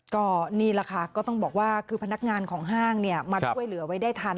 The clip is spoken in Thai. ก็นี่แหละค่ะก็ต้องบอกว่าคือพนักงานของห้างมาช่วยเหลือไว้ได้ทัน